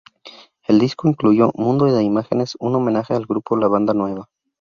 El disco incluyó "Mundo de imágenes" un homenaje al grupo La Banda Nueva.